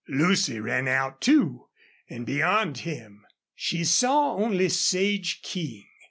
Lucy ran out too, and beyond him. She saw only Sage King.